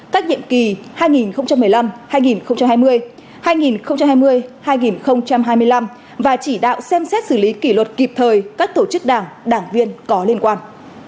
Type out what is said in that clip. các nhiệm kỳ hai nghìn một mươi năm hai nghìn hai mươi hai nghìn hai mươi hai nghìn hai mươi năm và chỉ đạo xem xét xử lý kỷ luật kịp thời các tổ chức đảng đảng viên có liên quan